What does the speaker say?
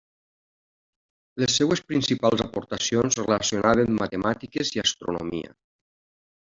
Les seves principals aportacions relacionaven matemàtiques i astronomia.